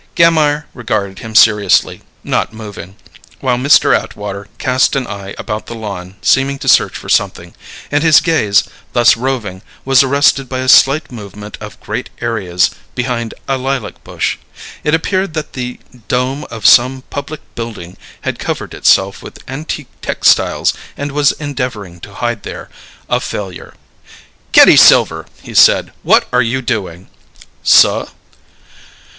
Gammire regarded him seriously, not moving, while Mr. Atwater cast an eye about the lawn, seeming to search for something, and his gaze, thus roving, was arrested by a slight movement of great areas behind a lilac bush. It appeared that the dome of some public building had covered itself with antique textiles and was endeavouring to hide there a failure. "Kitty Silver!" he said. "What are you doing?" "Suh?"